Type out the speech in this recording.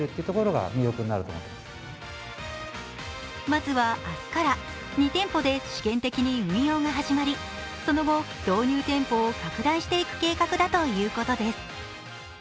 まずは明日から２店舗で試験的に運用が始まりその後、導入店舗を拡大していく計画だということです。